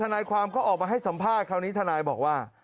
อาจารย์กำลังก็ออกมาให้สัมภาษณ์เขานี้ทางนายบอกว่า